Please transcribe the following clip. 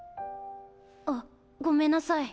あごめんなさい。